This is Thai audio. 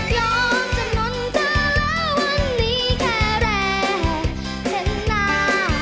ยอมจำนวนเธอแล้ววันนี้แค่แรงแค่หน้า